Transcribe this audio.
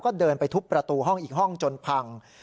ก็เดินไปทุบประตูห้องอีกห้องจนพัง